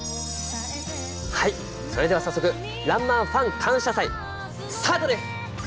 はいそれでは早速「らんまん」ファン感謝祭スタートです！